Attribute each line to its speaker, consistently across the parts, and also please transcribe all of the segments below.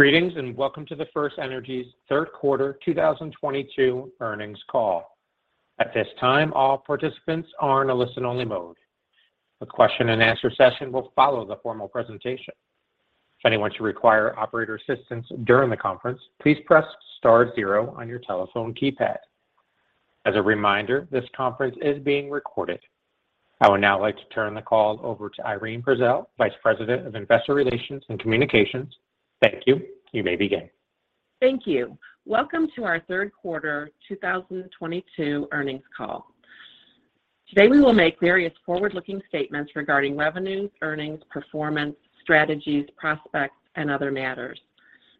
Speaker 1: Greetings, and welcome to the FirstEnergy's third quarter 2022 earnings call. At this time, all participants are in a listen-only mode. A question and answer session will follow the formal presentation. If anyone should require operator assistance during the conference, please press star zero on your telephone keypad. As a reminder, this conference is being recorded. I would now like to turn the call over to Irene Prezelj, Vice President of Investor Relations and Communications. Thank you. You may begin.
Speaker 2: Thank you. Welcome to our third quarter 2022 earnings call. Today, we will make various forward-looking statements regarding revenues, earnings, performance, strategies, prospects, and other matters.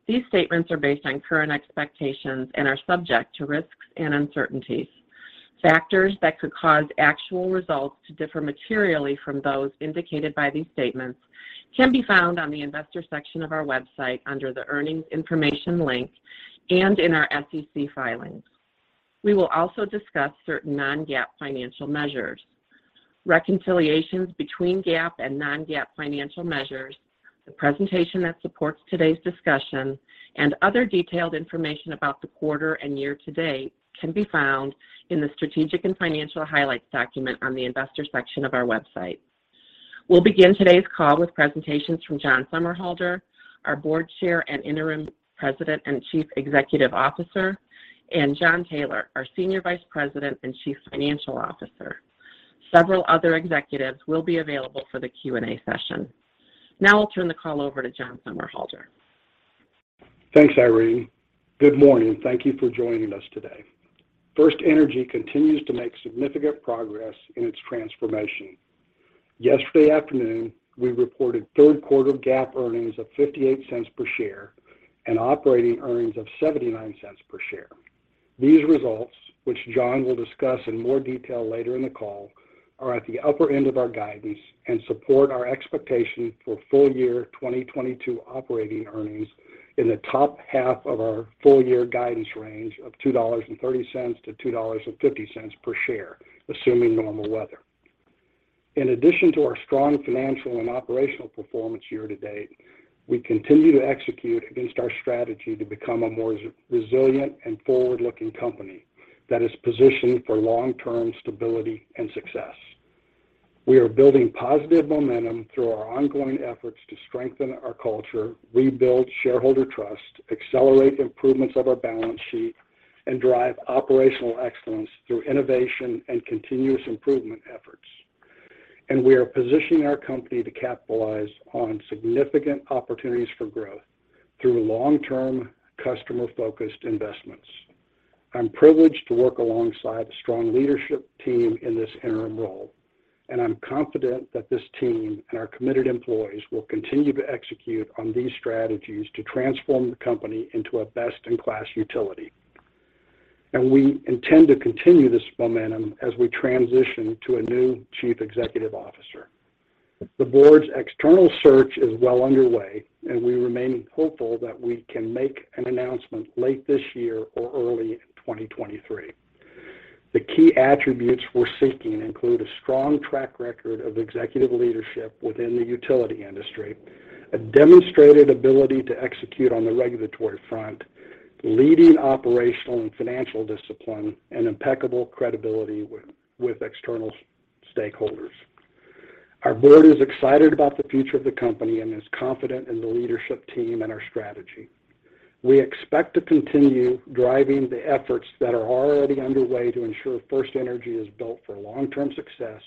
Speaker 2: These statements are based on current expectations and are subject to risks and uncertainties. Factors that could cause actual results to differ materially from those indicated by these statements can be found on the investor section of our website under the Earnings Information link and in our SEC filings. We will also discuss certain non-GAAP financial measures. Reconciliations between GAAP and non-GAAP financial measures, the presentation that supports today's discussion, and other detailed information about the quarter and year to date can be found in the Strategic and Financial Highlights document on the investor section of our website. We'll begin today's call with presentations from John Somerhalder, our Board Chair and Interim President and Chief Executive Officer, and K. Jon Taylor, our Senior Vice President and Chief Financial Officer. Several other executives will be available for the Q&A session. Now I'll turn the call over to John Somerhalder.
Speaker 3: Thanks, Irene. Good morning, and thank you for joining us today. FirstEnergy continues to make significant progress in its transformation. Yesterday afternoon, we reported third quarter GAAP earnings of $0.58 per share and operating earnings of $0.79 per share. These results, which John will discuss in more detail later in the call, are at the upper end of our guidance and support our expectation for full year 2022 operating earnings in the top half of our full year guidance range of $2.30-$2.50 per share, assuming normal weather. In addition to our strong financial and operational performance year to date, we continue to execute against our strategy to become a more resilient and forward-looking company that is positioned for long-term stability and success. We are building positive momentum through our ongoing efforts to strengthen our culture, rebuild shareholder trust, accelerate improvements of our balance sheet, and drive operational excellence through innovation and continuous improvement efforts. We are positioning our company to capitalize on significant opportunities for growth through long-term customer-focused investments. I'm privileged to work alongside the strong leadership team in this interim role, and I'm confident that this team and our committed employees will continue to execute on these strategies to transform the company into a best-in-class utility. We intend to continue this momentum as we transition to a new chief executive officer. The board's external search is well underway, and we remain hopeful that we can make an announcement late this year or early in 2023. The key attributes we're seeking include a strong track record of executive leadership within the utility industry, a demonstrated ability to execute on the regulatory front, leading operational and financial discipline, and impeccable credibility with external stakeholders. Our board is excited about the future of the company and is confident in the leadership team and our strategy. We expect to continue driving the efforts that are already underway to ensure FirstEnergy is built for long-term success,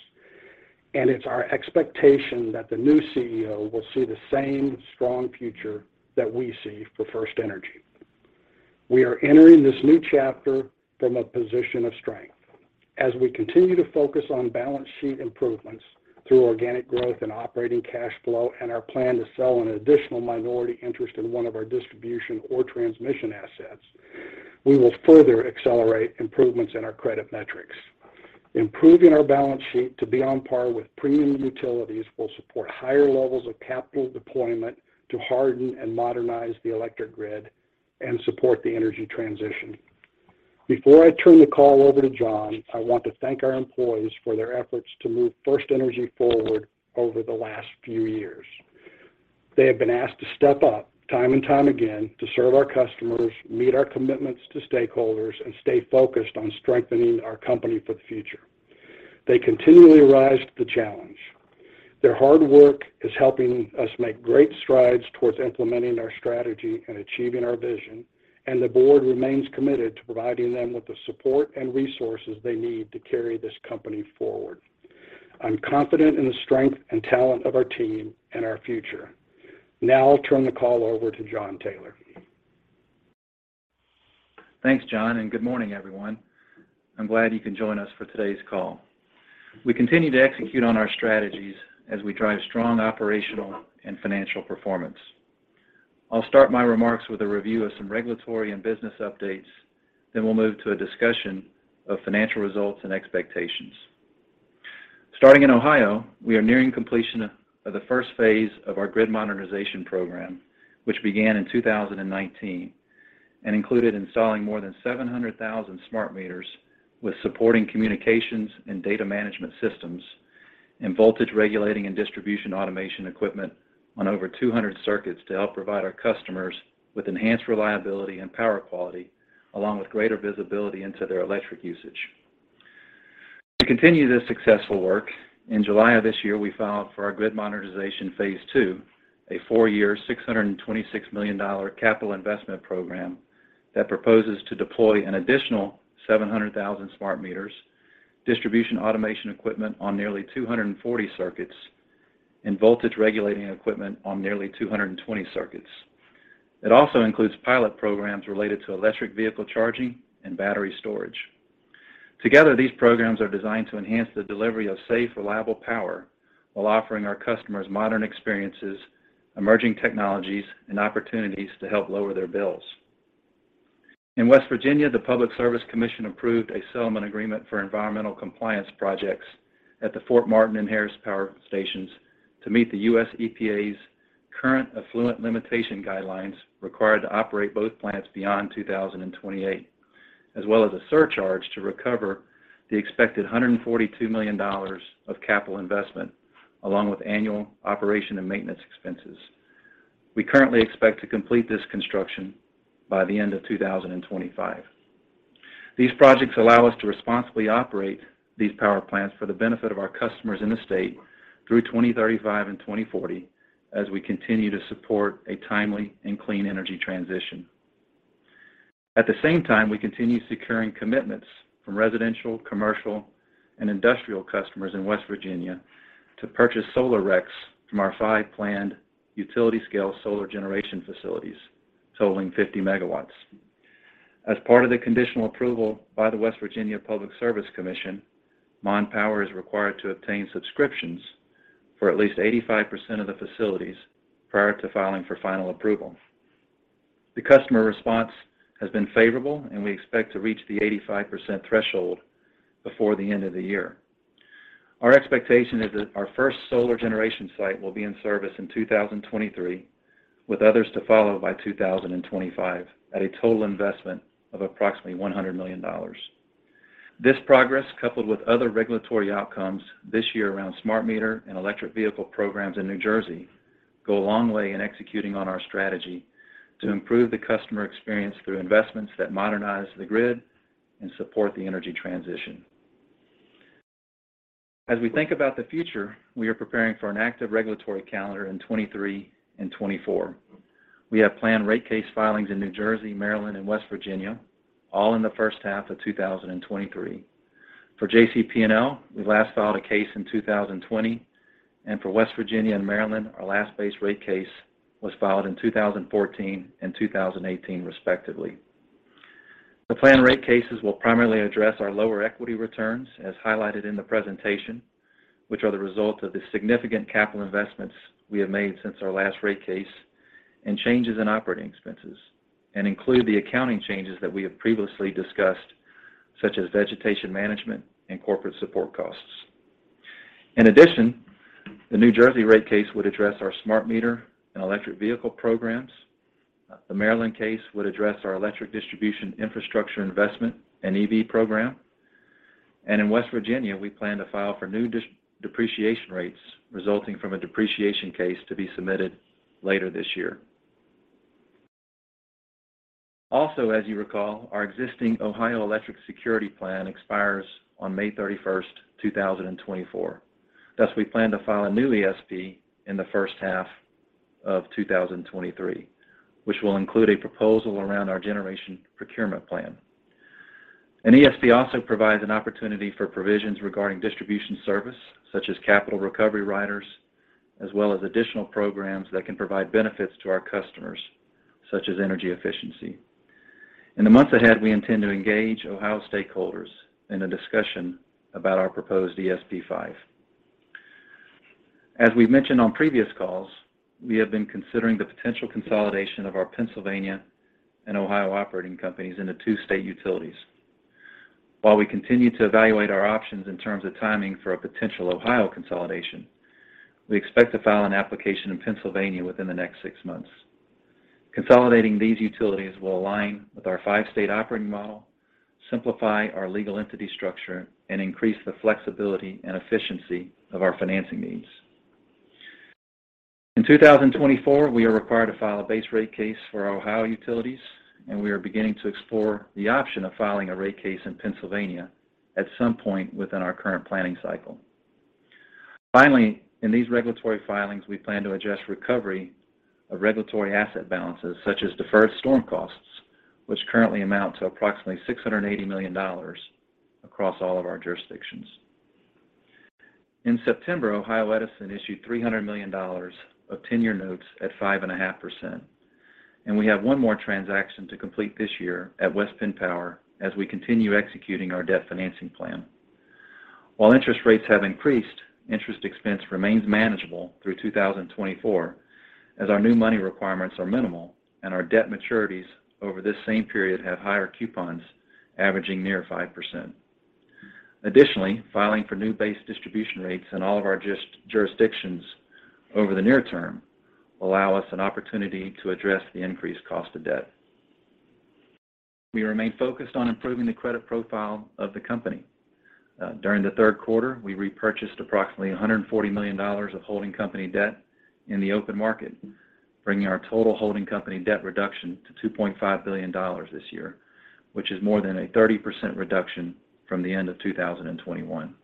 Speaker 3: and it's our expectation that the new CEO will see the same strong future that we see for FirstEnergy. We are entering this new chapter from a position of strength. As we continue to focus on balance sheet improvements through organic growth and operating cash flow and our plan to sell an additional minority interest in one of our distribution or transmission assets, we will further accelerate improvements in our credit metrics. Improving our balance sheet to be on par with premium utilities will support higher levels of capital deployment to harden and modernize the electric grid and support the energy transition. Before I turn the call over to John, I want to thank our employees for their efforts to move FirstEnergy forward over the last few years. They have been asked to step up time and time again to serve our customers, meet our commitments to stakeholders, and stay focused on strengthening our company for the future. They continually rise to the challenge. Their hard work is helping us make great strides towards implementing our strategy and achieving our vision, and the board remains committed to providing them with the support and resources they need to carry this company forward. I'm confident in the strength and talent of our team and our future. Now I'll turn the call over to K. Jon Taylor.
Speaker 4: Thanks, John, and good morning, everyone. I'm glad you can join us for today's call. We continue to execute on our strategies as we drive strong operational and financial performance. I'll start my remarks with a review of some regulatory and business updates, then we'll move to a discussion of financial results and expectations. Starting in Ohio, we are nearing completion of the first phase of our grid modernization program, which began in 2019 and included installing more than 700,000 smart meters with supporting communications and data management systems and voltage regulating and distribution automation equipment on over 200 circuits to help provide our customers with enhanced reliability and power quality along with greater visibility into their electric usage. To continue this successful work, in July of this year, we filed for our grid modernization phase II, a four-year, $626 million capital investment program that proposes to deploy an additional 700,000 smart meters, distribution automation equipment on nearly 240 circuits, and voltage regulating equipment on nearly 220 circuits. It also includes pilot programs related to electric vehicle charging and battery storage. Together, these programs are designed to enhance the delivery of safe, reliable power while offering our customers modern experiences, emerging technologies, and opportunities to help lower their bills. In West Virginia, the Public Service Commission approved a settlement agreement for environmental compliance projects at the Fort Martin and Harrison Power stations to meet the U.S. EPA's current effluent limitation guidelines required to operate both plants beyond 2028, as well as a surcharge to recover the expected $142 million of capital investment along with annual operation and maintenance expenses. We currently expect to complete this construction by the end of 2025. These projects allow us to responsibly operate these power plants for the benefit of our customers in the state through 2035 and 2040 as we continue to support a timely and clean energy transition. At the same time, we continue securing commitments from residential, commercial, and industrial customers in West Virginia to purchase solar RECs from our five planned utility-scale solar generation facilities totaling 50 MW. As part of the conditional approval by the West Virginia Public Service Commission, Mon Power is required to obtain subscriptions for at least 85% of the facilities prior to filing for final approval. The customer response has been favorable, and we expect to reach the 85% threshold before the end of the year. Our expectation is that our first solar generation site will be in service in 2023, with others to follow by 2025 at a total investment of approximately $100 million. This progress, coupled with other regulatory outcomes this year around smart meter and electric vehicle programs in New Jersey, go a long way in executing on our strategy to improve the customer experience through investments that modernize the grid and support the energy transition. As we think about the future, we are preparing for an active regulatory calendar in 2023 and 2024. We have planned rate case filings in New Jersey, Maryland, and West Virginia, all in the first half of 2023. For JCP&L, we last filed a case in 2020, and for West Virginia and Maryland, our last base rate case was filed in 2014 and 2018, respectively. The planned rate cases will primarily address our lower equity returns, as highlighted in the presentation, which are the result of the significant capital investments we have made since our last rate case and changes in operating expenses and include the accounting changes that we have previously discussed, such as vegetation management and corporate support costs. In addition, the New Jersey rate case would address our smart meter and electric vehicle programs. The Maryland case would address our electric distribution infrastructure investment and EV program. In West Virginia, we plan to file for new depreciation rates resulting from a depreciation case to be submitted later this year. Also, as you recall, our existing Ohio Electric Security Plan expires on May 31st, 2024. Thus, we plan to file a new ESP in the first half of 2023, which will include a proposal around our generation procurement plan. An ESP also provides an opportunity for provisions regarding distribution service, such as capital recovery riders, as well as additional programs that can provide benefits to our customers, such as energy efficiency. In the months ahead, we intend to engage Ohio stakeholders in a discussion about our proposed ESP5. As we've mentioned on previous calls, we have been considering the potential consolidation of our Pennsylvania and Ohio operating companies into two state utilities. While we continue to evaluate our options in terms of timing for a potential Ohio consolidation, we expect to file an application in Pennsylvania within the next six months. Consolidating these utilities will align with our five-state operating model, simplify our legal entity structure, and increase the flexibility and efficiency of our financing needs. In 2024, we are required to file a base rate case for our Ohio utilities, and we are beginning to explore the option of filing a rate case in Pennsylvania at some point within our current planning cycle. Finally, in these regulatory filings, we plan to address recovery of regulatory asset balances, such as deferred storm costs, which currently amount to approximately $680 million across all of our jurisdictions. In September, Ohio Edison issued $300 million of 10-year notes at 5.5%, and we have one more transaction to complete this year at West Penn Power as we continue executing our debt financing plan. While interest rates have increased, interest expense remains manageable through 2024 as our new money requirements are minimal and our debt maturities over this same period have higher coupons averaging near 5%. Additionally, filing for new base distribution rates in all of our jurisdictions over the near term allow us an opportunity to address the increased cost of debt. We remain focused on improving the credit profile of the company. During the third quarter, we repurchased approximately $140 million of holding company debt in the open market, bringing our total holding company debt reduction to $2.5 billion this year, which is more than a 30% reduction from the end of 2021.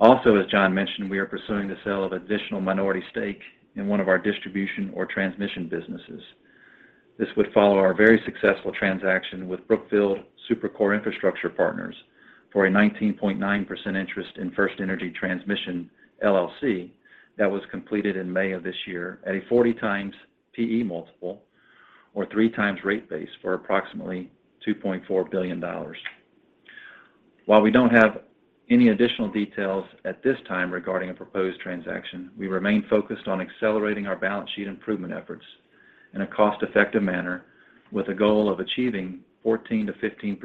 Speaker 4: Also, as John mentioned, we are pursuing the sale of additional minority stake in one of our distribution or transmission businesses. This would follow our very successful transaction with Brookfield Super-Core Infrastructure Partners for a 19.9% interest in FirstEnergy Transmission, LLC that was completed in May of this year at a 40x P/E multiple or 3x rate base for approximately $2.4 billion. While we don't have any additional details at this time regarding a proposed transaction, we remain focused on accelerating our balance sheet improvement efforts in a cost-effective manner with a goal of achieving 14%-15%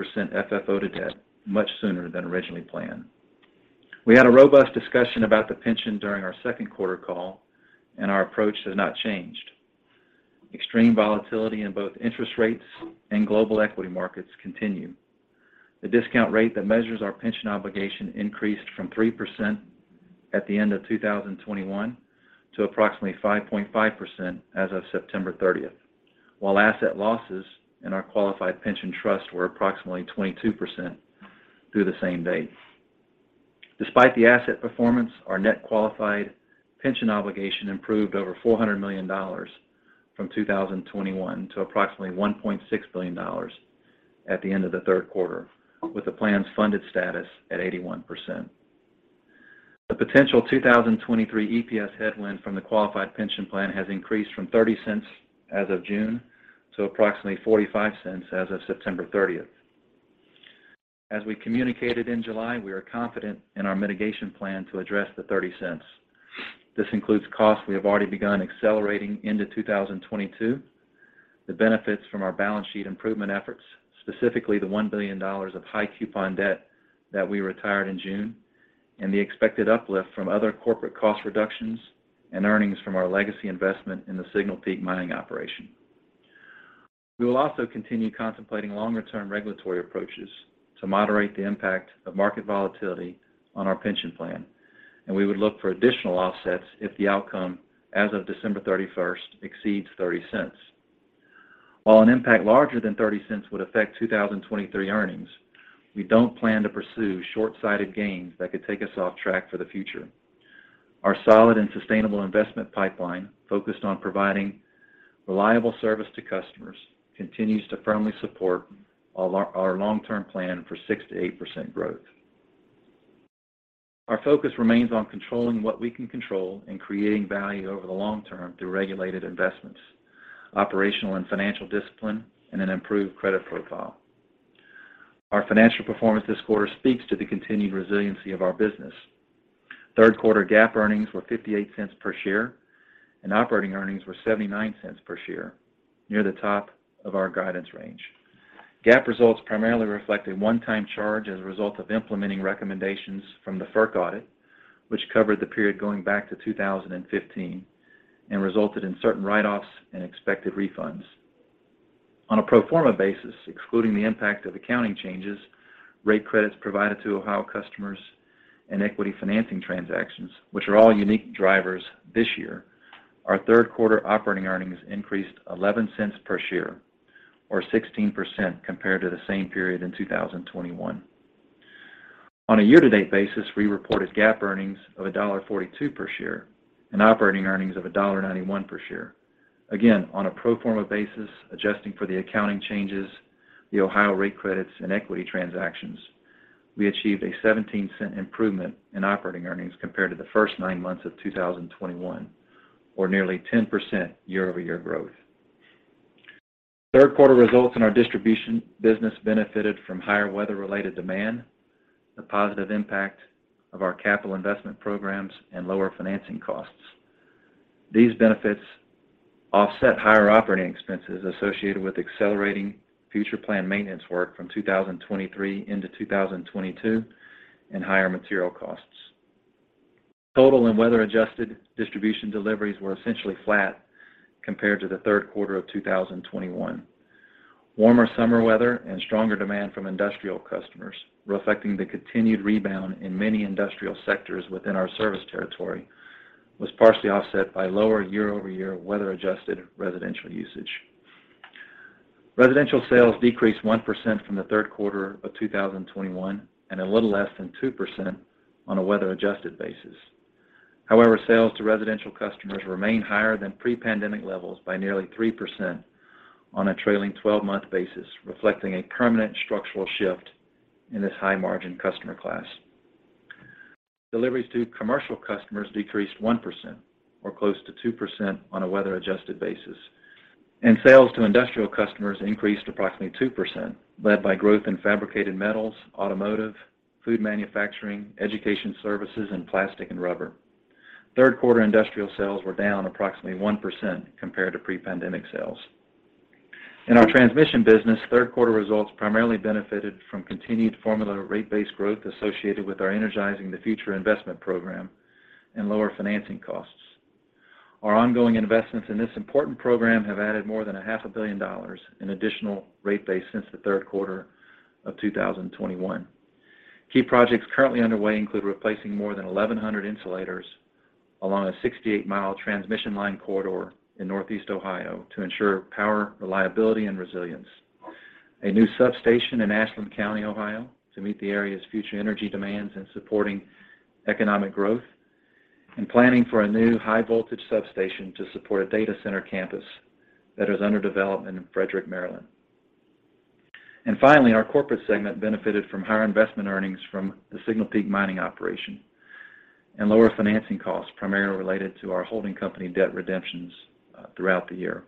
Speaker 4: FFO/debt much sooner than originally planned. We had a robust discussion about the pension during our second quarter call, and our approach has not changed. Extreme volatility in both interest rates and global equity markets continue. The discount rate that measures our pension obligation increased from 3% at the end of 2021 to approximately 5.5% as of September thirtieth. While asset losses in our qualified pension trust were approximately 22% through the same date. Despite the asset performance, our net qualified pension obligation improved over $400 million from 2021 to approximately $1.6 billion at the end of the third quarter, with the plan's funded status at 81%. The potential 2023 EPS headwind from the qualified pension plan has increased from $0.30 as of June to approximately $0.45 as of September 30th. We are confident in our mitigation plan to address the $0.30. This includes costs we have already begun accelerating into 2022, the benefits from our balance sheet improvement efforts, specifically the $1 billion of high coupon debt that we retired in June, and the expected uplift from other corporate cost reductions and earnings from our legacy investment in the Signal Peak mining operation. We will also continue contemplating longer-term regulatory approaches to moderate the impact of market volatility on our pension plan, and we would look for additional offsets if the outcome as of December 31st exceeds $0.30. While an impact larger than $0.30 would affect 2023 earnings, we don't plan to pursue short-sighted gains that could take us off track for the future. Our solid and sustainable investment pipeline focused on providing reliable service to customers continues to firmly support our long-term plan for 6%-8% growth. Our focus remains on controlling what we can control and creating value over the long term through regulated investments, operational and financial discipline, and an improved credit profile. Our financial performance this quarter speaks to the continued resiliency of our business. Third quarter GAAP earnings were $0.58 per share, and operating earnings were $0.79 per share, near the top of our guidance range. GAAP results primarily reflect a one-time charge as a result of implementing recommendations from the FERC audit, which covered the period going back to 2015 and resulted in certain write-offs and expected refunds. On a pro forma basis, excluding the impact of accounting changes, rate credits provided to Ohio customers and equity financing transactions, which are all unique drivers this year, our third quarter operating earnings increased $0.11 per share or 16% compared to the same period in 2021. On a year-to-date basis, we reported GAAP earnings of $1.42 per share and operating earnings of $1.91 per share. Again, on a pro forma basis, adjusting for the accounting changes, the Ohio rate credits, and equity transactions, we achieved a $0.17 improvement in operating earnings compared to the first nine months of 2021 or nearly 10% year-over-year growth. Third quarter results in our distribution business benefited from higher weather-related demand, the positive impact of our capital investment programs, and lower financing costs. These benefits offset higher operating expenses associated with accelerating future planned maintenance work from 2023 into 2022 and higher material costs. Total and weather-adjusted distribution deliveries were essentially flat compared to the third quarter of 2021. Warmer summer weather and stronger demand from industrial customers, reflecting the continued rebound in many industrial sectors within our service territory, was partially offset by lower year-over-year weather-adjusted residential usage. Residential sales decreased 1% from the third quarter of 2021 and a little less than 2% on a weather-adjusted basis. However, sales to residential customers remain higher than pre-pandemic levels by nearly 3% on a trailing twelve-month basis, reflecting a permanent structural shift in this high-margin customer class. Deliveries to commercial customers decreased 1% or close to 2% on a weather-adjusted basis, and sales to industrial customers increased approximately 2%, led by growth in fabricated metals, automotive, food manufacturing, education services, and plastic and rubber. Third quarter industrial sales were down approximately 1% compared to pre-pandemic sales. In our transmission business, third quarter results primarily benefited from continued formula rate base growth associated with our Energizing the Future investment program and lower financing costs. Our ongoing investments in this important program have added more than a half a billion dollars in additional rate base since the third quarter of 2021. Key projects currently underway include replacing more than 1,100 insulators along a 68-mile transmission line corridor in Northeast Ohio to ensure power reliability and resilience. A new substation in Ashland County, Ohio, to meet the area's future energy demands and supporting economic growth. Planning for a new high voltage substation to support a data center campus that is under development in Frederick, Maryland. Finally, our corporate segment benefited from higher investment earnings from the Signal Peak mining operation and lower financing costs primarily related to our holding company debt redemptions throughout the year.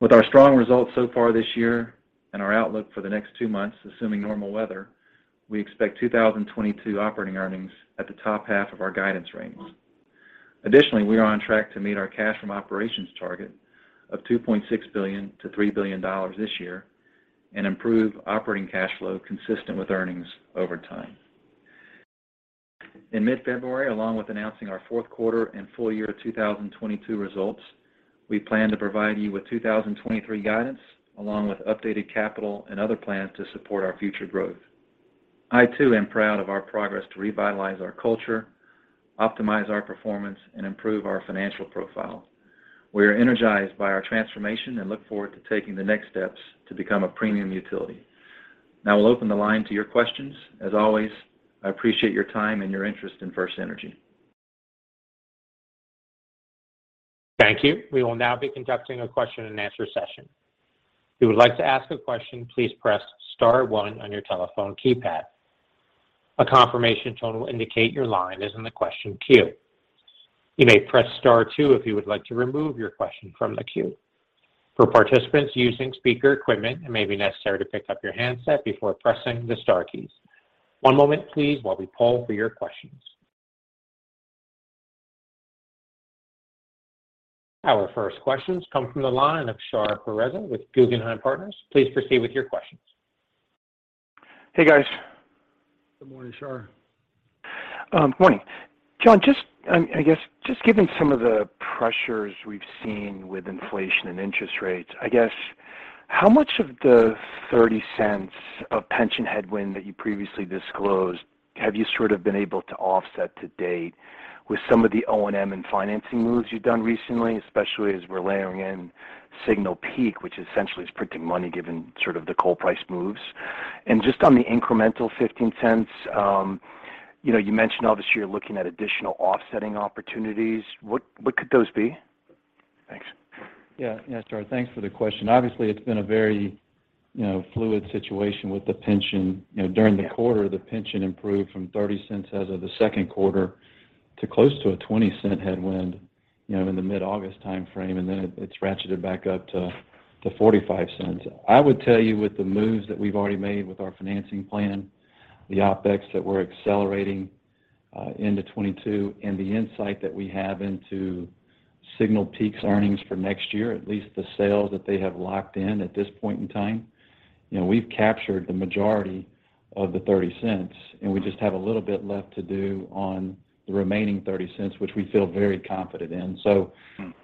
Speaker 4: With our strong results so far this year and our outlook for the next two months, assuming normal weather, we expect 2022 operating earnings at the top half of our guidance range. Additionally, we are on track to meet our cash from operations target of $2.6 billion-$3 billion this year and improve operating cash flow consistent with earnings over time. In mid-February, along with announcing our fourth quarter and full year 2022 results, we plan to provide you with 2023 guidance, along with updated capital and other plans to support our future growth. I, too, am proud of our progress to revitalize our culture, optimize our performance, and improve our financial profile. We are energized by our transformation and look forward to taking the next steps to become a premium utility. Now we'll open the line to your questions. As always, I appreciate your time and your interest in FirstEnergy.
Speaker 1: Thank you. We will now be conducting a question-and-answer session. If you would like to ask a question, please press star one on your telephone keypad. A confirmation tone will indicate your line is in the question queue. You may press star two if you would like to remove your question from the queue. For participants using speaker equipment, it may be necessary to pick up your handset before pressing the star keys. One moment, please, while we poll for your questions. Our first questions come from the line of Shahriar Pourreza with Guggenheim Partners. Please proceed with your questions.
Speaker 5: Hey, guys.
Speaker 4: Good morning, Shar.
Speaker 5: Morning. John, just, I guess just given some of the pressures we've seen with inflation and interest rates, I guess how much of the $0.30 of pension headwind that you previously disclosed have you sort of been able to offset to date with some of the O&M and financing moves you've done recently, especially as we're layering in Signal Peak, which essentially is printing money given sort of the coal price moves? Just on the incremental $0.15, you know, you mentioned obviously you're looking at additional offsetting opportunities. What could those be? Thanks.
Speaker 4: Yeah. Yeah, Shar, thanks for the question. Obviously, it's been a very, you know, fluid situation with the pension. You know, during the quarter, the pension improved from $0.30 as of the second quarter to close to a $0.20 headwind, you know, in the mid-August timeframe, and then it's ratcheted back up to $0.45. I would tell you with the moves that we've already made with our financing plan, the OpEx that we're accelerating into 2022, and the insight that we have into Signal Peak's earnings for next year, at least the sales that they have locked in at this point in time, you know, we've captured the majority of the $0.30, and we just have a little bit left to do on the remaining $0.30, which we feel very confident in.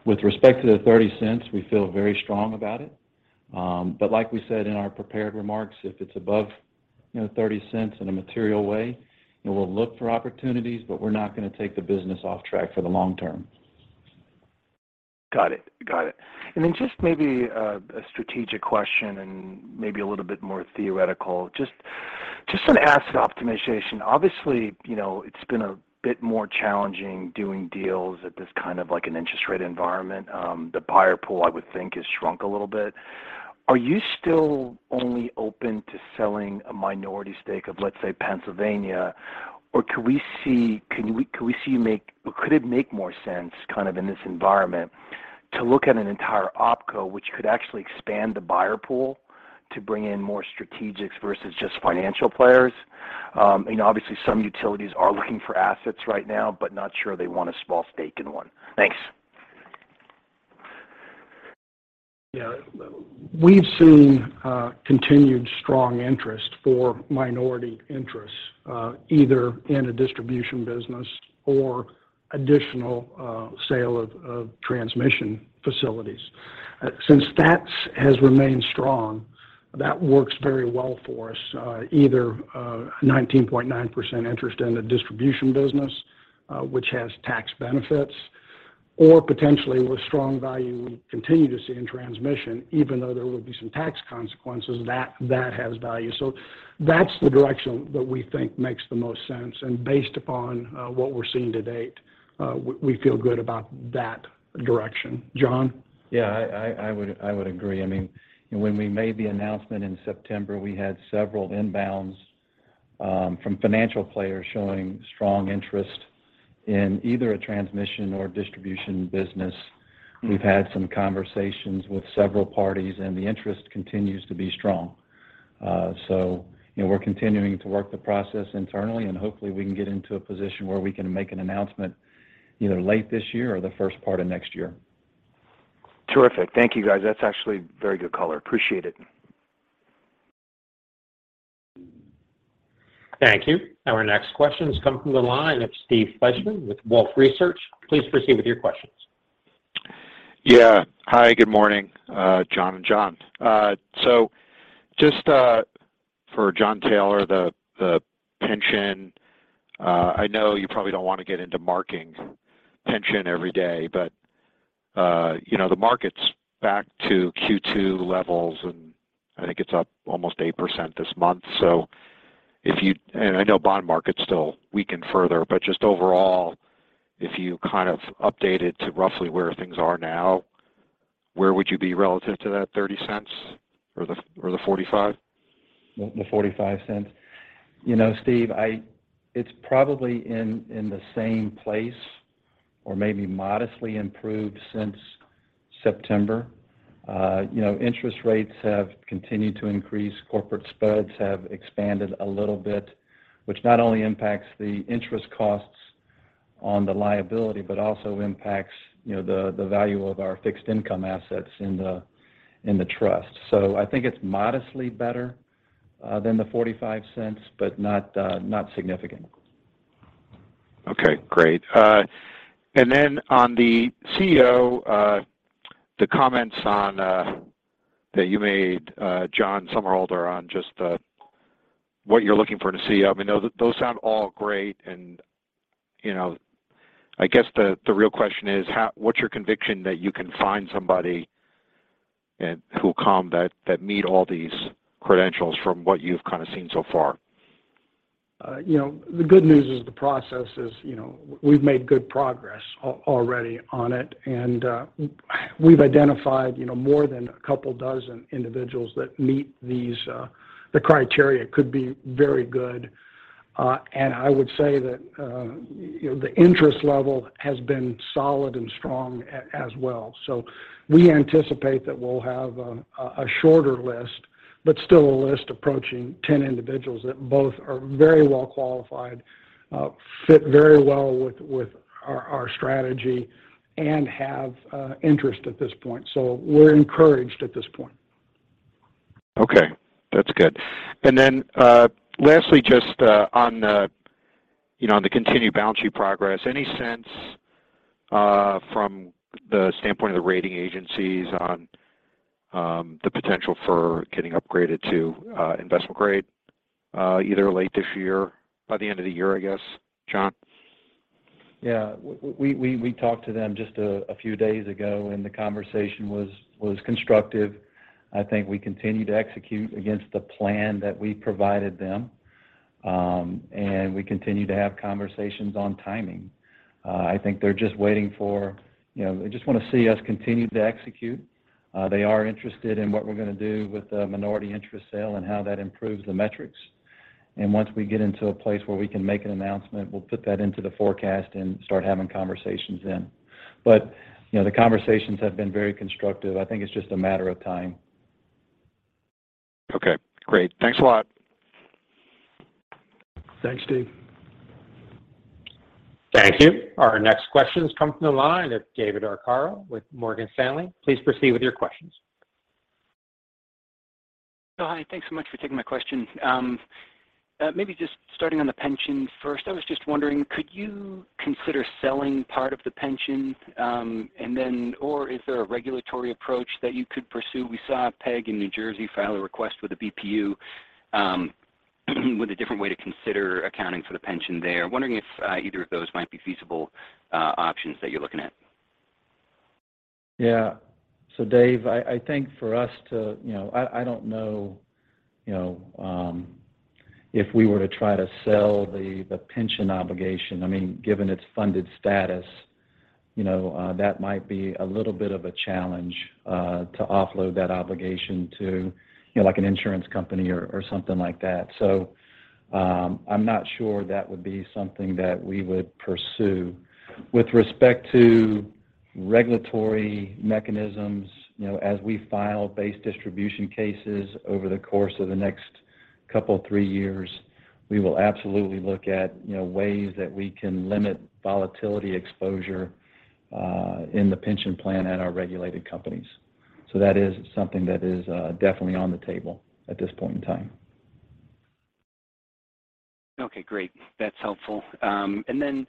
Speaker 4: With respect to the $0.30, we feel very strong about it. Like we said in our prepared remarks, if it's above, you know, $0.30 in a material way, you know, we'll look for opportunities, but we're not gonna take the business off track for the long term.
Speaker 5: Got it. Just maybe a strategic question and maybe a little bit more theoretical. Just on asset optimization. Obviously, you know, it's been a bit more challenging doing deals at this kind of like an interest rate environment. The buyer pool I would think has shrunk a little bit. Are you still only open to selling a minority stake of, let's say, Pennsylvania? Or could it make more sense kind of in this environment to look at an entire OPCO which could actually expand the buyer pool to bring in more strategics versus just financial players? You know, obviously some utilities are looking for assets right now, but not sure they want a small stake in one. Thanks.
Speaker 4: Yeah. We've seen continued strong interest for minority interests, either in a distribution business or additional sale of transmission facilities. Since that has remained strong, that works very well for us. Either 19.9% interest in the distribution business, which has tax benefits, or potentially with strong value we continue to see in transmission, even though there will be some tax consequences, that has value. So that's the direction that we think makes the most sense. Based upon what we're seeing to date, we feel good about that direction. John?
Speaker 3: Yeah. I would agree. I mean, when we made the announcement in September, we had several inbounds from financial players showing strong interest in either a transmission or distribution business. We've had some conversations with several parties, and the interest continues to be strong. You know, we're continuing to work the process internally, and hopefully we can get into a position where we can make an announcement either late this year or the first part of next year.
Speaker 5: Terrific. Thank you, guys. That's actually very good color. Appreciate it.
Speaker 1: Thank you. Our next question's coming from the line of Steve Fleishman with Wolfe Research. Please proceed with your questions.
Speaker 6: Yeah. Hi, good morning, Jon and John. For Jon Taylor, the pension, I know you probably don't wanna get into marking pension every day, but you know, the market's back to Q2 levels, and I think it's up almost 8% this month. I know bond market's still weakened further, but just overall, if you kind of updated to roughly where things are now, where would you be relative to that $0.30 or the $0.45?
Speaker 4: The $0.45. You know, Steve, it's probably in the same place or maybe modestly improved since September. You know, interest rates have continued to increase. Corporate spreads have expanded a little bit, which not only impacts the interest costs on the liability, but also impacts, you know, the value of our fixed income assets in the trust. I think it's modestly better than the $0.45, but not significant.
Speaker 6: Okay, great. On the CEO, the comments on that you made, John Somerhalder, on just what you're looking for in a CEO, I mean, those sound all great and, you know. I guess the real question is what's your conviction that you can find somebody and who'll come that meet all these credentials from what you've kind of seen so far?
Speaker 3: You know, the good news is the process is, you know, we've made good progress already on it. We've identified, you know, more than a couple dozen individuals that meet these, the criteria. Could be very good. I would say that, you know, the interest level has been solid and strong as well. We anticipate that we'll have a shorter list, but still a list approaching 10 individuals that both are very well qualified, fit very well with our strategy and have interest at this point. We're encouraged at this point.
Speaker 6: Okay, that's good. Lastly, just on the, you know, on the continued balance sheet progress, any sense from the standpoint of the rating agencies on the potential for getting upgraded to investment grade either late this year, by the end of the year, I guess, John?
Speaker 4: Yeah. We talked to them just a few days ago, and the conversation was constructive. I think we continue to execute against the plan that we provided them, and we continue to have conversations on timing. I think they're just waiting for, you know, they just wanna see us continue to execute. They are interested in what we're gonna do with the minority interest sale and how that improves the metrics. Once we get into a place where we can make an announcement, we'll put that into the forecast and start having conversations then. You know, the conversations have been very constructive. I think it's just a matter of time.
Speaker 6: Okay, great. Thanks a lot.
Speaker 3: Thanks, Steve.
Speaker 1: Thank you. Our next question's coming from the line of David Arcaro with Morgan Stanley. Please proceed with your questions.
Speaker 7: Oh, hi. Thanks so much for taking my questions. Maybe just starting on the pensions first. I was just wondering, could you consider selling part of the pension, or is there a regulatory approach that you could pursue? We saw PEG in New Jersey file a request with the BPU, with a different way to consider accounting for the pension there. Wondering if either of those might be feasible options that you're looking at.
Speaker 4: Yeah. Dave, I think, I don't know, you know, if we were to try to sell the pension obligation, I mean, given its funded status, you know, that might be a little bit of a challenge to offload that obligation to, you know, like an insurance company or something like that. I'm not sure that would be something that we would pursue. With respect to regulatory mechanisms, you know, as we file base distribution cases over the course of the next couple, three years, we will absolutely look at, you know, ways that we can limit volatility exposure in the pension plan at our regulated companies. That is something that is definitely on the table at this point in time.
Speaker 7: Okay, great. That's helpful. In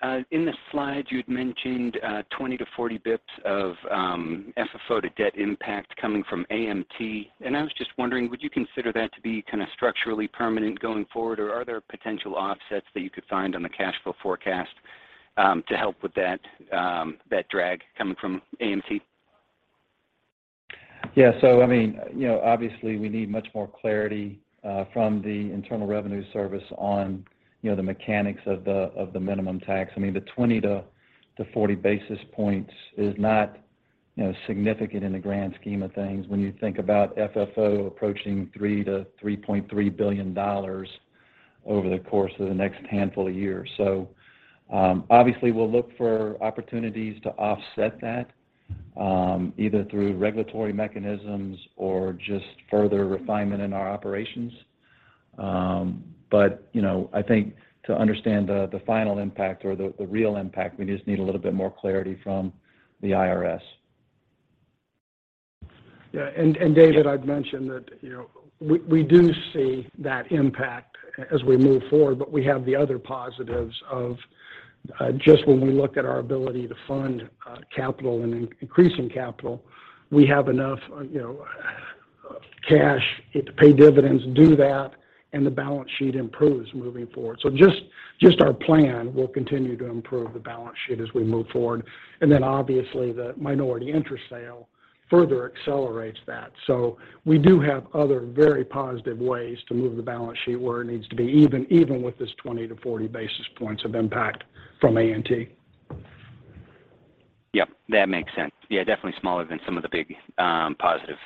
Speaker 7: the slide, you'd mentioned 20-40 basis points of FFO/debt impact coming from AMT, and I was just wondering, would you consider that to be kind of structurally permanent going forward, or are there potential offsets that you could find on the cash flow forecast to help with that drag coming from AMT?
Speaker 4: Yeah. I mean, you know, obviously, we need much more clarity from the Internal Revenue Service on, you know, the mechanics of the minimum tax. I mean, the 20-40 basis points is not, you know, significant in the grand scheme of things when you think about FFO approaching $3 billion-$3.3 billion over the course of the next handful of years. Obviously we'll look for opportunities to offset that. Either through regulatory mechanisms or just further refinement in our operations. You know, I think to understand the final impact or the real impact, we just need a little bit more clarity from the IRS.
Speaker 3: Yeah. David, I'd mention that, you know, we do see that impact as we move forward, but we have the other positives of just when we look at our ability to fund capital and increasing capital, we have enough, you know, cash to pay dividends, do that, and the balance sheet improves moving forward. Just our plan will continue to improve the balance sheet as we move forward. Obviously, the minority interest sale further accelerates that. We do have other very positive ways to move the balance sheet where it needs to be, even with this 20-40 basis points of impact from AMT.
Speaker 7: Yeah, that makes sense. Yeah, definitely smaller than some of the big, positive,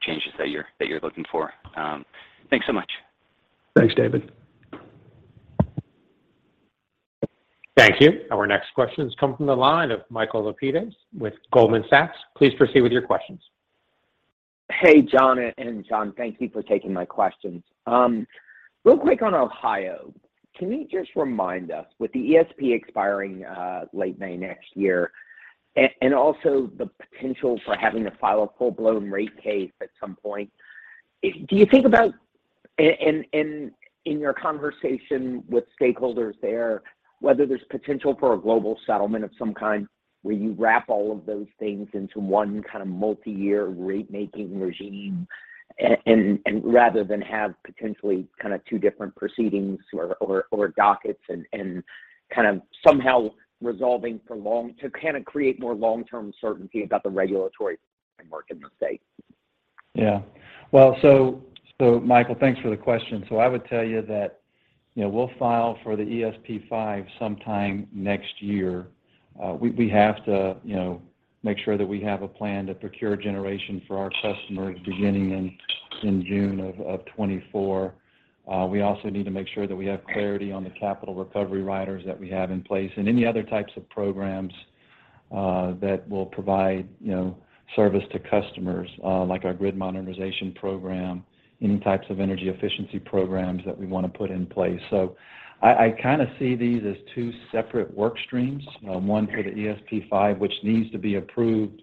Speaker 7: changes that you're looking for. Thanks so much.
Speaker 3: Thanks, David.
Speaker 1: Thank you. Our next question comes from the line of Michael Lapides with Goldman Sachs. Please proceed with your questions.
Speaker 8: Hey, Jon and John. Thank you for taking my questions. Real quick on Ohio, can you just remind us, with the ESP expiring late May next year and also the potential for having to file a full-blown rate case at some point, do you think, in your conversation with stakeholders there, whether there's potential for a global settlement of some kind where you wrap all of those things into one kind of multi-year rate-making regime and rather than have potentially kind of two different proceedings or dockets and kind of somehow resolving to kind of create more long-term certainty about the regulatory framework in the state?
Speaker 4: Yeah. Well, Michael, thanks for the question. I would tell you that, you know, we'll file for the ESP5 sometime next year. We have to, you know, make sure that we have a plan to procure generation for our customers beginning in June of 2024. We also need to make sure that we have clarity on the capital recovery riders that we have in place and any other types of programs that will provide, you know, service to customers like our grid modernization program, any types of energy efficiency programs that we want to put in place. I kind of see these as two separate work streams. One for the ESP5, which needs to be approved,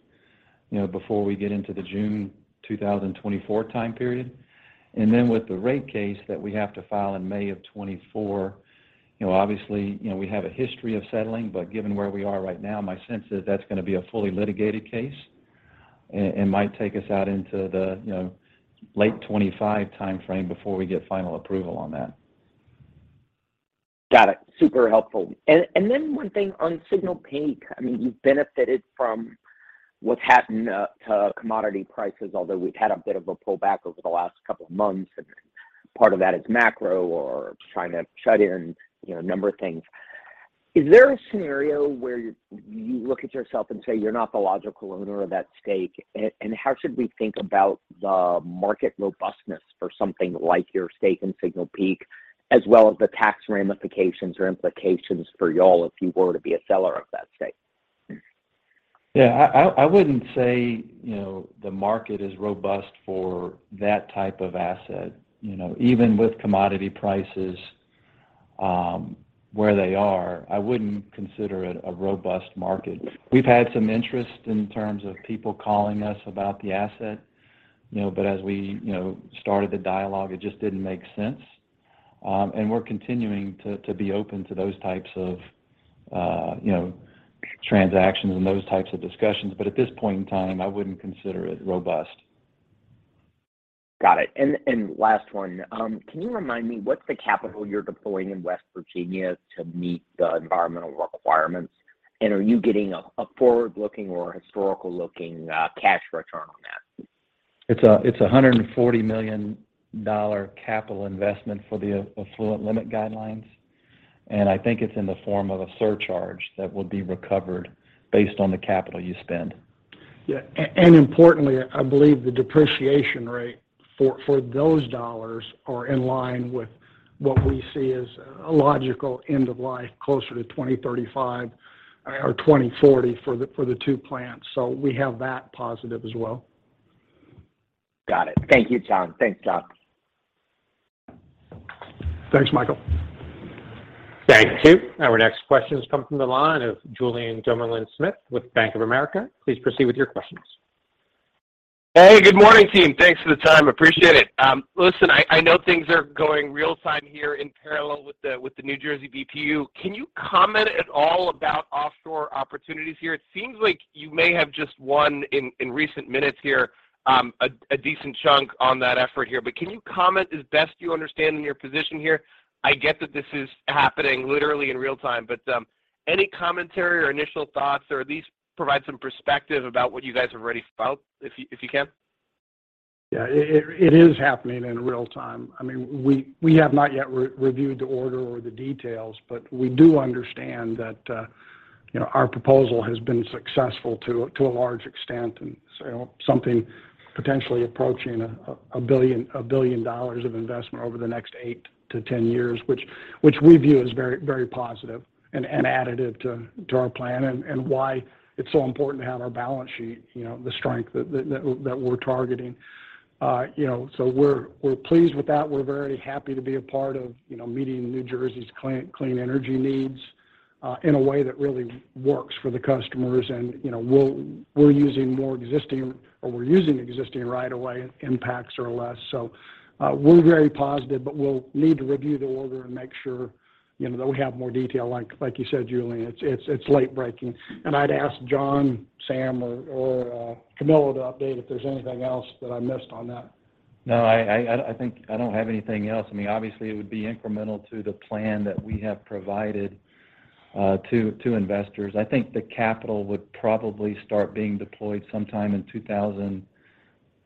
Speaker 4: you know, before we get into the June 2024 time period. With the rate case that we have to file in May of 2024, you know, obviously, you know, we have a history of settling, but given where we are right now, my sense is that's going to be a fully litigated case and might take us out into the, you know, late 2025 timeframe before we get final approval on that.
Speaker 8: Got it. Super helpful. Then one thing on Signal Peak, I mean, you've benefited from what's happened to commodity prices, although we've had a bit of a pullback over the last couple of months, and part of that is macro or China shutdown, you know, a number of things. Is there a scenario where you look at yourself and say you're not the logical owner of that stake? How should we think about the market robustness for something like your stake in Signal Peak, as well as the tax ramifications or implications for y'all if you were to be a seller of that stake?
Speaker 4: Yeah. I wouldn't say, you know, the market is robust for that type of asset. You know, even with commodity prices, where they are, I wouldn't consider it a robust market. We've had some interest in terms of people calling us about the asset, you know, but as we, you know, started the dialogue, it just didn't make sense. We're continuing to be open to those types of, you know, transactions and those types of discussions. At this point in time, I wouldn't consider it robust.
Speaker 8: Got it. Last one. Can you remind me what's the capital you're deploying in West Virginia to meet the environmental requirements? Are you getting a forward-looking or historical-looking cash return on that?
Speaker 4: It's a $140 million capital investment for the Effluent Limitation Guidelines. I think it's in the form of a surcharge that would be recovered based on the capital you spend.
Speaker 3: Yeah. And importantly, I believe the depreciation rate for those dollars are in line with what we see as a logical end of life, closer to 2035 or 2040 for the two plants. We have that positive as well.
Speaker 8: Got it. Thank you, John. Thanks, John.
Speaker 3: Thanks, Michael.
Speaker 1: Thank you. Our next question comes from the line of Julien Dumoulin-Smith with Bank of America. Please proceed with your questions.
Speaker 9: Hey, good morning, team. Thanks for the time, appreciate it. Listen, I know things are going real-time here in parallel with the New Jersey BPU. Can you comment at all about offshore opportunities here? It seems like you may have just won in recent minutes here a decent chunk on that effort here. Can you comment as best you understand in your position here? I get that this is happening literally in real time, but any commentary or initial thoughts, or at least provide some perspective about what you guys have already felt if you can?
Speaker 3: Yeah. It is happening in real time. I mean, we have not yet reviewed the order or the details, but we do understand that, you know, our proposal has been successful to a large extent. Something potentially approaching $1 billion of investment over the next eight to 10 years, which we view as very positive and additive to our plan and why it's so important to have our balance sheet, you know, the strength that we're targeting. You know, we're pleased with that. We're very happy to be a part of, you know, meeting New Jersey's clean energy needs in a way that really works for the customers. You know, we're using more existing, or we're using existing right away, and impacts are less. We're very positive, but we'll need to review the order and make sure, you know, that we have more detail. Like you said, Julien, it's late-breaking. I'd ask Jon, Sam, or Camilla to update if there's anything else that I missed on that.
Speaker 4: No, I think I don't have anything else. I mean, obviously it would be incremental to the plan that we have provided to investors. I think the capital would probably start being deployed sometime in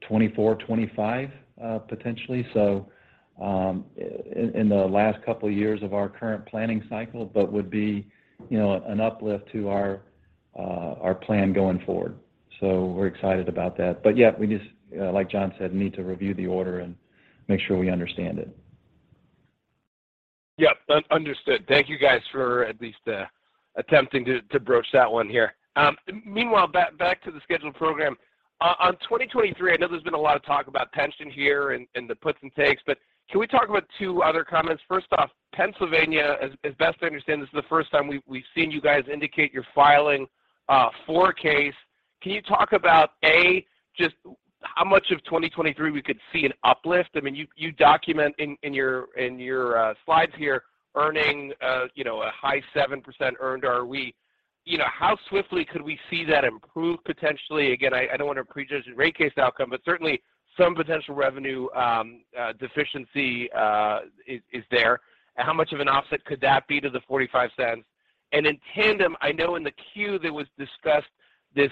Speaker 4: 2024-2025, potentially. In the last couple of years of our current planning cycle, but would be, you know, an uplift to our plan going forward. We're excited about that. Yeah, we just, like John said, need to review the order and make sure we understand it.
Speaker 9: Yep, understood. Thank you guys for at least attempting to broach that one here. Meanwhile, back to the scheduled program. On 2023, I know there's been a lot of talk about pension here and the puts and takes, but can we talk about two other comments? First off, Pennsylvania, as best I understand, this is the first time we've seen you guys indicate you're filing a rate case. Can you talk about A, just how much of 2023 we could see an uplift? I mean, you document in your slides here, earning you know a high 7% earned ROE. You know, how swiftly could we see that improve potentially? Again, I don't want to prejudge the rate case outcome, but certainly some potential revenue deficiency is there. How much of an offset could that be to the $0.45? In tandem, I know in the queue there was discussed this,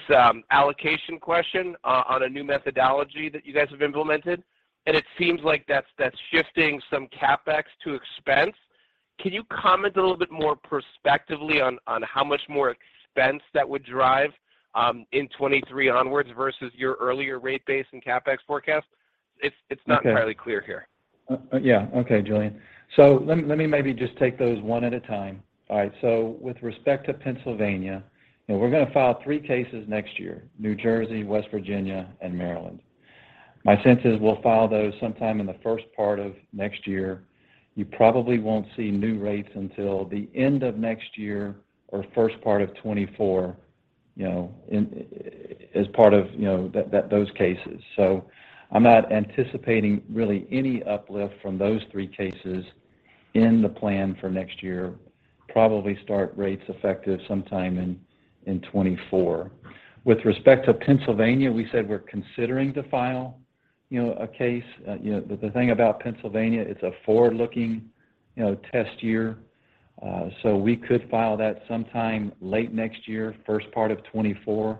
Speaker 9: allocation question on a new methodology that you guys have implemented, and it seems like that's shifting some CapEx to expense. Can you comment a little bit more prospectively on how much more expense that would drive, in 2023 onwards versus your earlier rate base and CapEx forecast? It's not entirely clear here.
Speaker 4: Okay, Julien. Let me maybe just take those one at a time. All right. With respect to Pennsylvania, you know, we're gonna file three cases next year: New Jersey, West Virginia, and Maryland. My sense is we'll file those sometime in the first part of next year. You probably won't see new rates until the end of next year or first part of 2024, you know, as part of that, those cases. I'm not anticipating really any uplift from those three cases in the plan for next year. Probably start rates effective sometime in 2024. With respect to Pennsylvania, we said we're considering to file, you know, a case. You know, the thing about Pennsylvania, it's a forward-looking, you know, test year. We could file that sometime late next year, first part of 2024,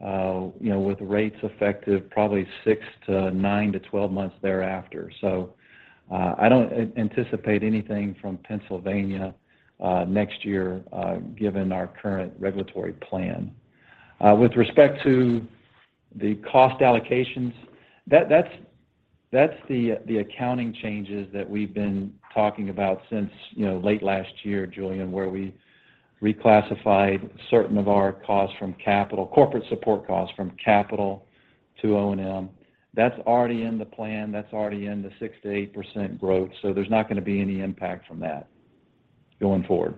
Speaker 4: you know, with rates effective probably six to nine to 12 months thereafter. I don't anticipate anything from Pennsylvania next year, given our current regulatory plan. With respect to the cost allocations, that's the accounting changes that we've been talking about since, you know, late last year, Julien, where we reclassified certain of our costs from capital—corporate support costs from capital to O&M. That's already in the plan, that's already in the 6%-8% growth, so there's not gonna be any impact from that going forward.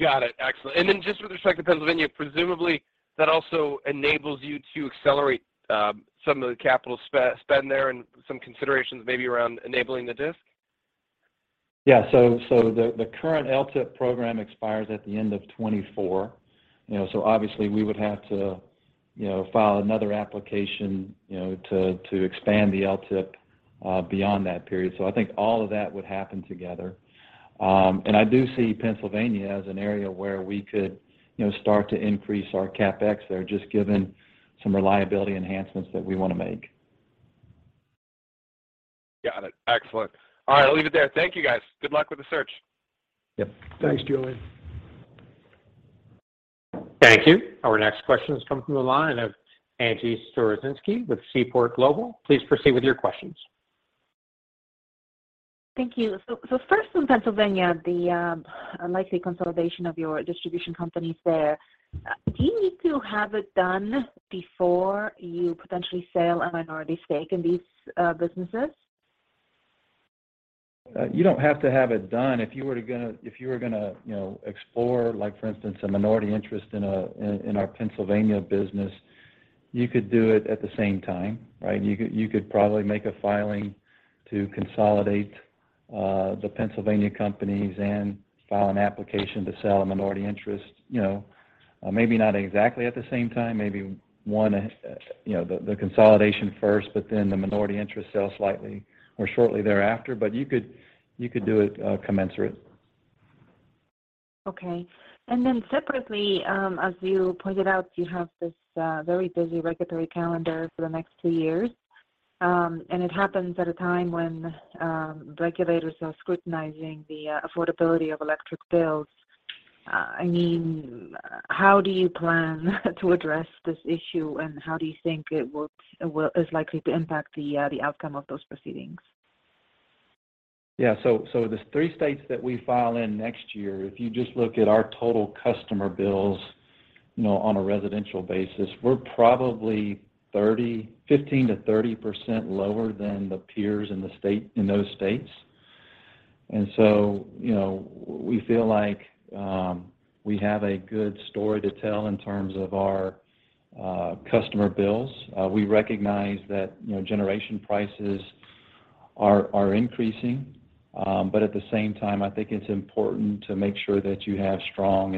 Speaker 9: Got it. Excellent. Just with respect to Pennsylvania, presumably that also enables you to accelerate some of the capital spend there and some considerations maybe around enabling the? [inaudible]
Speaker 4: Yeah. The current LTIP program expires at the end of 2024. You know, so obviously we would have to, you know, file another application, you know, to expand the LTIP beyond that period. I think all of that would happen together. I do see Pennsylvania as an area where we could, you know, start to increase our CapEx there, just given some reliability enhancements that we wanna make.
Speaker 9: Got it. Excellent. All right, I'll leave it there. Thank you, guys. Good luck with the search.
Speaker 4: Yep.
Speaker 3: Thanks, Julien.
Speaker 1: Thank you. Our next question is coming from the line of Angie Storozynski with Seaport Global. Please proceed with your questions.
Speaker 10: Thank you. First on Pennsylvania, the likely consolidation of your distribution companies there, do you need to have it done before you potentially sell a minority stake in these businesses?
Speaker 4: You don't have to have it done. If you were gonna, you know, explore, like for instance, a minority interest in our Pennsylvania business, you could do it at the same time, right? You could probably make a filing to consolidate the Pennsylvania companies and file an application to sell a minority interest, you know. Maybe not exactly at the same time, maybe one, you know, the consolidation first, but then the minority interest sells slightly or shortly thereafter. You could do it commensurate.
Speaker 10: Okay. Then separately, as you pointed out, you have this very busy regulatory calendar for the next two years, and it happens at a time when regulators are scrutinizing the affordability of electric bills. I mean, how do you plan to address this issue, and how do you think it is likely to impact the outcome of those proceedings?
Speaker 4: Yeah. The three states that we file in next year, if you just look at our total customer bills, you know, on a residential basis, we're probably 15%-30% lower than the peers in the state, in those states. You know, we feel like we have a good story to tell in terms of our customer bills. We recognize that, you know, generation prices are increasing. At the same time, I think it's important to make sure that you have strong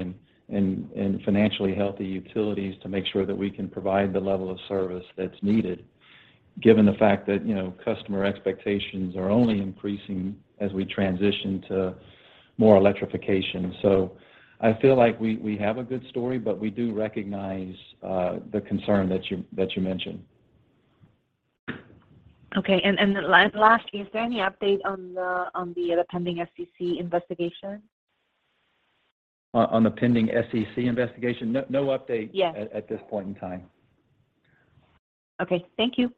Speaker 4: and financially healthy utilities to make sure that we can provide the level of service that's needed given the fact that, you know, customer expectations are only increasing as we transition to more electrification. I feel like we have a good story, but we do recognize the concern that you mentioned.
Speaker 10: Okay. The last is there any update on the pending SEC investigation?
Speaker 4: On the pending SEC investigation? No update.
Speaker 10: Yeah
Speaker 4: at this point in time.
Speaker 10: Okay. Thank you.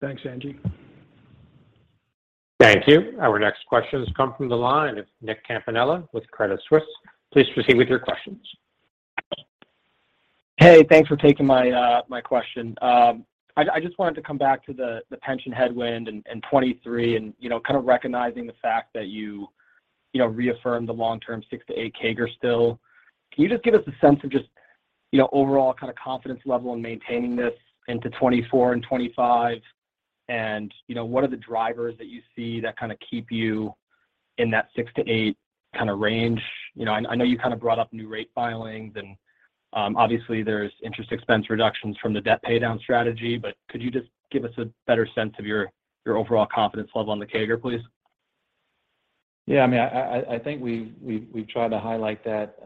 Speaker 3: Thanks, Angie.
Speaker 1: Thank you. Our next question has come from the line of Nick Campanella with Credit Suisse. Please proceed with your questions.
Speaker 11: Hey, thanks for taking my question. I just wanted to come back to the pension headwind in 2023 and, you know, kind of recognizing the fact that you know, reaffirmed the long-term 6%-8% CAGR still. Can you just give us a sense of just, you know, overall kind of confidence level in maintaining this into 2024 and 2025 and, you know, what are the drivers that you see that kind of keep you in that 6%-8% kind of range? You know, I know you kind of brought up new rate filings and, obviously there's interest expense reductions from the debt pay down strategy, but could you just give us a better sense of your overall confidence level on the CAGR, please?
Speaker 4: Yeah. I mean, I think we've tried to highlight that,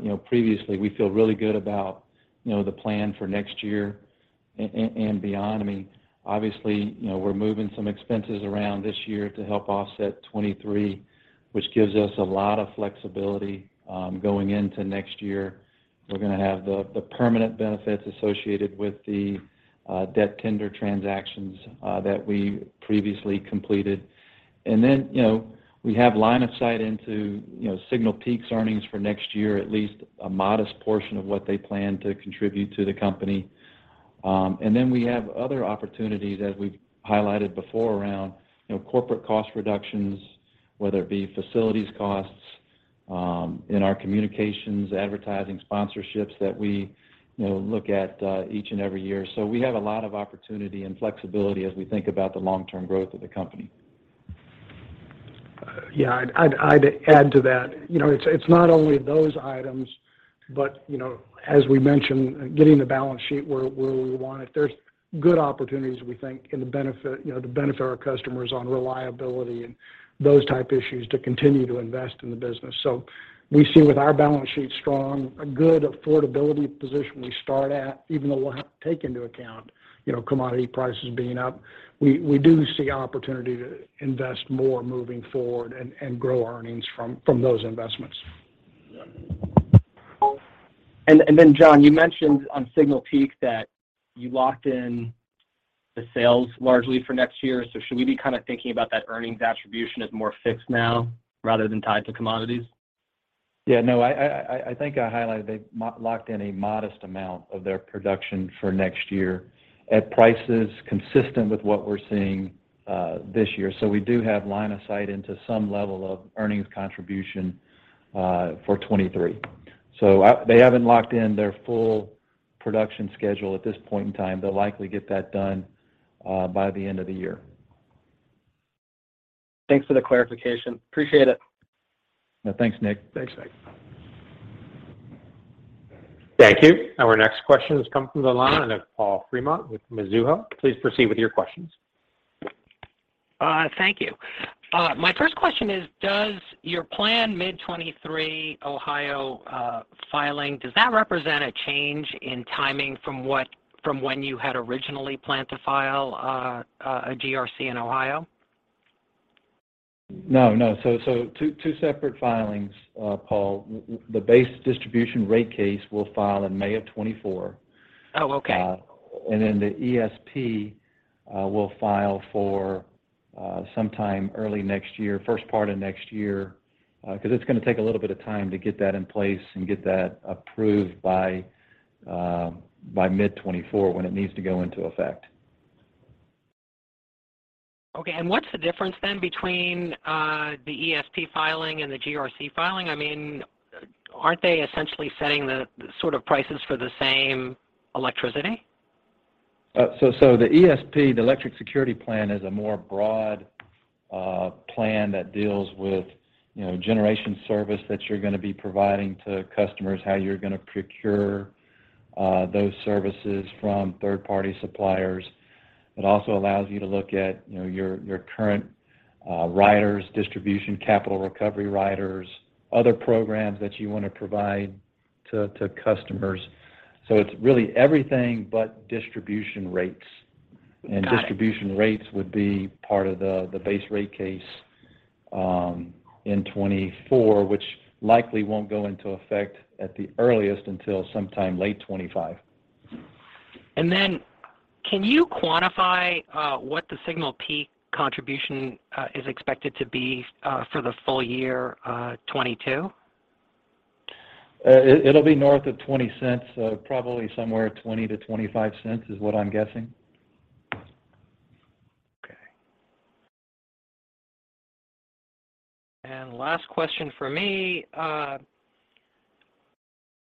Speaker 4: you know, previously. We feel really good about, you know, the plan for next year and beyond. I mean, obviously, you know, we're moving some expenses around this year to help offset 2023, which gives us a lot of flexibility, going into next year. We're gonna have the permanent benefits associated with the debt tender transactions that we previously completed. Then, you know, we have line of sight into, you know, Signal Peak's earnings for next year, at least a modest portion of what they plan to contribute to the company. And then we have other opportunities as we've highlighted before around, you know, corporate cost reductions, whether it be facilities costs in our communications, advertising sponsorships that we, you know, look at each and every year. We have a lot of opportunity and flexibility as we think about the long-term growth of the company.
Speaker 3: Yeah. I'd add to that. You know, it's not only those items, but, you know, as we mentioned, getting the balance sheet where we want it. There's good opportunities, we think, in the benefit, you know, to benefit our customers on reliability and those type issues to continue to invest in the business. We see with our balance sheet strong, a good affordability position we start at, even though we'll have to take into account, you know, commodity prices being up, we do see opportunity to invest more moving forward and grow earnings from those investments.
Speaker 4: [inaudible]
Speaker 11: John, you mentioned on Signal Peak that you locked in the sales largely for next year. Should we be kind of thinking about that earnings attribution as more fixed now rather than tied to commodities?
Speaker 4: Yeah, no. I think I highlighted they locked in a modest amount of their production for next year at prices consistent with what we're seeing this year. We do have line of sight into some level of earnings contribution for 2023. They haven't locked in their full production schedule at this point in time. They'll likely get that done by the end of the year.
Speaker 11: Thanks for the clarification. Appreciate it.
Speaker 4: Yeah. Thanks, Nick.
Speaker 3: Thanks, Nick.
Speaker 1: Thank you. Our next question has come from the line of Paul Fremont with Mizuho. Please proceed with your questions.
Speaker 12: Thank you. My first question is, does your planned mid-2023 Ohio filing represent a change in timing from when you had originally planned to file a GRC in Ohio?
Speaker 4: No, no. Two separate filings, Paul. The base distribution rate case we'll file in May of 2024.
Speaker 12: Oh, okay.
Speaker 4: The ESP, we'll file for sometime early next year, first part of next year, 'cause it's gonna take a little bit of time to get that in place and get that approved by mid 2024 when it needs to go into effect.
Speaker 12: What's the difference then between the ESP filing and the GRC filing? I mean, aren't they essentially setting the sort of prices for the same electricity?
Speaker 4: The ESP, the Electric Security Plan, is a more broad plan that deals with, you know, generation service that you're gonna be providing to customers, how you're gonna procure those services from third party suppliers. It also allows you to look at, you know, your current riders, distribution capital recovery riders, other programs that you wanna provide to customers. It's really everything but distribution rates.
Speaker 12: Got it.
Speaker 4: Distribution rates would be part of the base rate case. In 2024, which likely won't go into effect at the earliest until sometime late 2025.
Speaker 12: Can you quantify what the Signal Peak contribution is expected to be for the full year 2022?
Speaker 4: It'll be north of $0.20, so probably somewhere $0.20-$0.25 is what I'm guessing.
Speaker 12: Okay. Last question from me.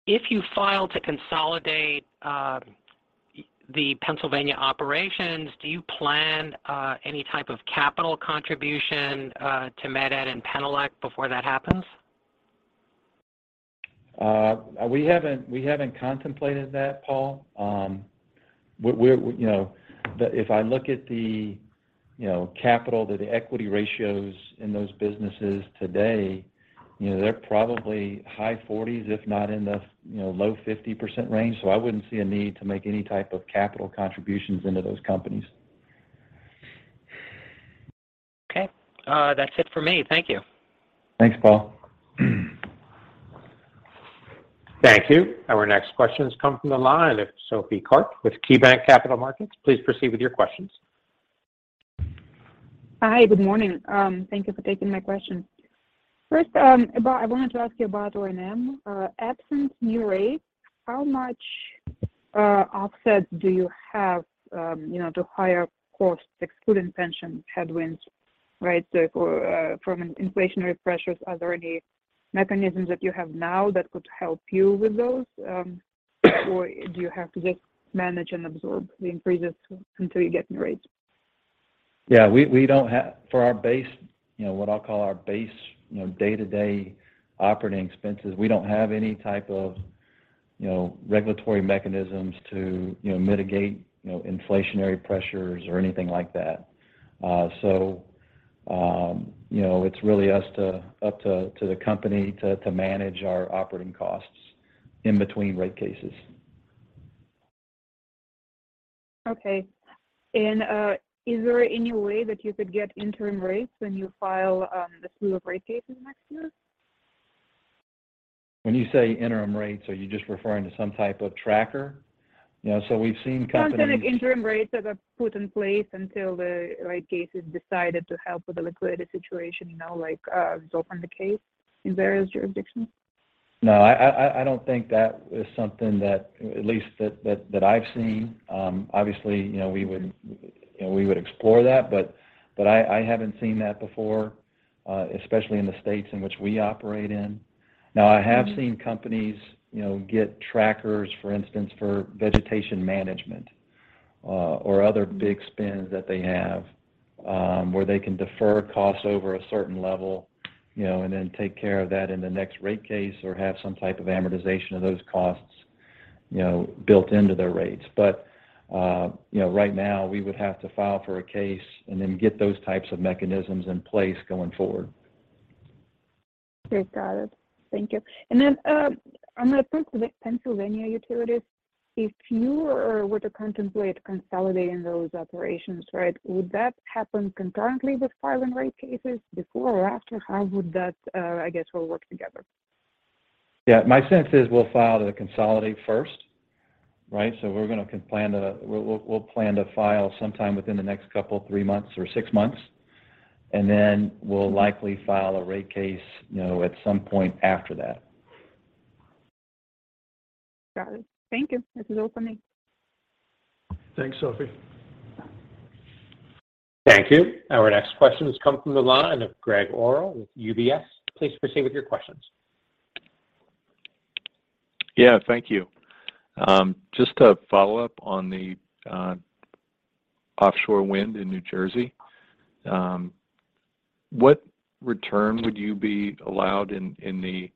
Speaker 12: If you file to consolidate the Pennsylvania operations, do you plan any type of capital contribution to Met-Ed and Penelec before that happens?
Speaker 4: We haven't contemplated that, Paul. We're, you know. If I look at the, you know, capital, the equity ratios in those businesses today, you know, they're probably high 40s, if not in the, you know, low 50% range. I wouldn't see a need to make any type of capital contributions into those companies.
Speaker 12: Okay. That's it for me. Thank you.
Speaker 4: Thanks, Paul.
Speaker 1: Thank you. Our next question's come from the line of Sophie Karp with KeyBanc Capital Markets. Please proceed with your questions.
Speaker 13: Hi. Good morning. Thank you for taking my question. First, I wanted to ask you about O&M. Absent new rates, how much offset do you have, you know, to higher costs excluding pension headwinds, right? From inflationary pressures, are there any mechanisms that you have now that could help you with those? Or do you have to just manage and absorb the increases until you get new rates?
Speaker 4: Yeah. For our base, you know, what I'll call our base, you know, day-to-day operating expenses, we don't have any type of, you know, regulatory mechanisms to, you know, mitigate, you know, inflationary pressures or anything like that. You know, it's really up to the company to manage our operating costs in between rate cases.
Speaker 13: Okay. Is there any way that you could get interim rates when you file the slew of rate cases next year?
Speaker 4: When you say interim rates, are you just referring to some type of tracker? You know, we've seen companies.
Speaker 13: Some kind of interim rates that are put in place until the rate case is decided to help with the liquidity situation, you know, like, is often the case in various jurisdictions.
Speaker 4: No. I don't think that is something that at least I've seen. Obviously, you know, we would explore that, but I haven't seen that before, especially in the states in which we operate in. Now, I have seen companies, you know, get trackers, for instance, for vegetation management, or other big spends that they have, where they can defer costs over a certain level, you know, and then take care of that in the next rate case or have some type of amortization of those costs, you know, built into their rates. You know, right now, we would have to file for a case and then get those types of mechanisms in place going forward.
Speaker 13: Okay. Got it. Thank you. On the point of the Pennsylvania utilities, if you were to contemplate consolidating those operations, right, would that happen concurrently with filing rate cases before or after? How would that, I guess, all work together?
Speaker 4: Yeah. My sense is we'll file to consolidate first, right? We'll plan to file sometime within the next couple, three months or six months. We'll likely file a rate case, you know, at some point after that.
Speaker 13: Got it. Thank you. This is all for me.
Speaker 3: Thanks, Sophie.
Speaker 1: Thank you. Our next question has come from the line of Gregg Orrill with UBS. Please proceed with your questions.
Speaker 14: Yeah. Thank you. Just to follow up on the offshore wind in New Jersey, what return would you be allowed in the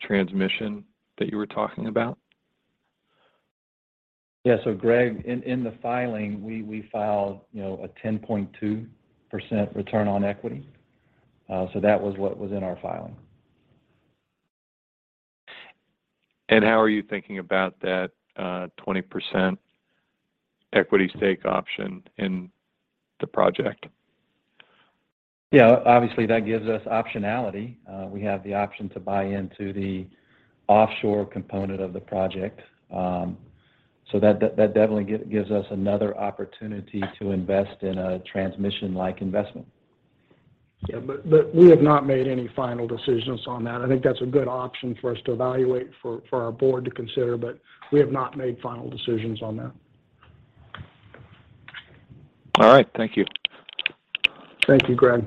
Speaker 14: transmission that you were talking about?
Speaker 4: Yeah. Gregg, in the filing, we filed, you know, a 10.2% return on equity. That was what was in our filing.
Speaker 14: How are you thinking about that 20% equity stake option in the project?
Speaker 4: Yeah. Obviously, that gives us optionality. We have the option to buy into the offshore component of the project. That definitely gives us another opportunity to invest in a transmission-like investment.
Speaker 3: Yeah. We have not made any final decisions on that. I think that's a good option for us to evaluate for our board to consider, but we have not made final decisions on that.
Speaker 14: All right. Thank you.
Speaker 3: Thank you, Gregg.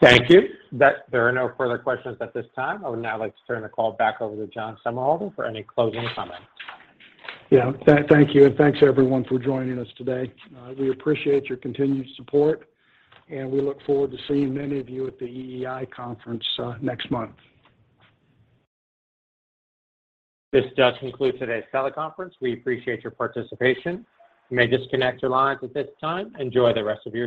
Speaker 1: Thank you. There are no further questions at this time. I would now like to turn the call back over to John Somerhalder for any closing comments.
Speaker 3: Yeah. Thank you, and thanks everyone for joining us today. We appreciate your continued support, and we look forward to seeing many of you at the EEI conference next month.
Speaker 1: This does conclude today's teleconference. We appreciate your participation. You may disconnect your lines at this time. Enjoy the rest of your day.